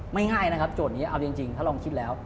ง่ายนะครับโจทย์นี้เอาจริงถ้าลองคิดแล้ว